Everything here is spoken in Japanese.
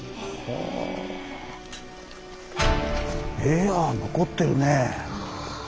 えああ残ってるね。